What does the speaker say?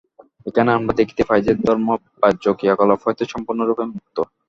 এখানে আমরা দেখিতে পাই যে, ধর্ম বাহ্য ক্রিয়াকলাপ হইতে সম্পূর্ণরূপে মুক্ত।